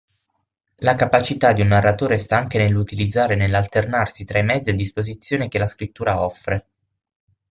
La capacità di un narratore sta anche nell'utilizzare e nell'alternarsi tra i mezzi a disposizione che la scrittura offre.